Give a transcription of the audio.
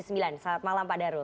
selamat malam pak darul